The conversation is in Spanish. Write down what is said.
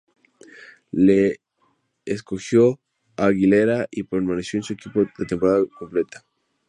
Lee escogió a Aguilera y permaneció en su equipo la temporada completa.